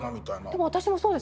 でも私もそうです。